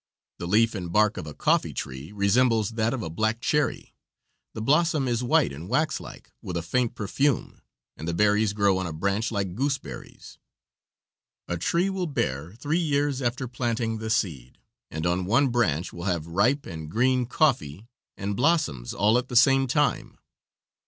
The leaf and bark of a coffee tree resemble that of a black cherry. The blossom is white and wax like, with a faint perfume, and the berries grow on a branch like gooseberries. A tree will bear three years after planting the seed, and on one branch will have ripe and green coffee and blossoms all at the same time.